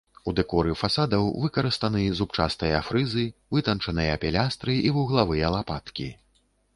У дэкоры фасадаў выкарыстаны зубчастыя фрызы, вытанчаныя пілястры і вуглавыя лапаткі.